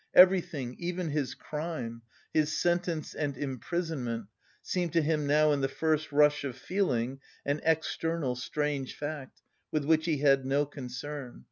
Everything, even his crime, his sentence and imprisonment, seemed to him now in the first rush of feeling an external, strange fact with which he had no concern.